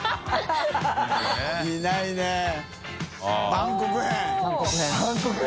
「バンコク編」！